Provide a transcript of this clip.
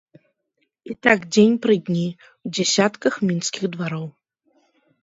І так дзень пры дні, у дзясятках мінскіх двароў.